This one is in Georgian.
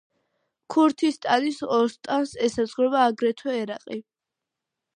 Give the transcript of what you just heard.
ქურთისტანის ოსტანს ესაზღვრება აგრეთვე ერაყი.